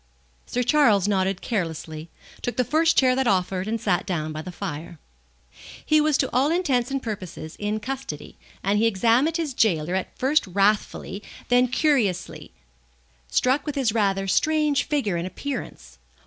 Sir Charles nodded carelessly, took the first chair that offered, and sat down by the fire. He was to all intents and purposes in custody, and he examined his gaoler at first wrathfully, then curiously, struck with his rather strange figure and appearance.